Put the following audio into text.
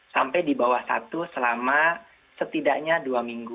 sampai di bawah satu selama setidaknya dua minggu